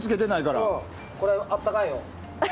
これ、あったかいよ。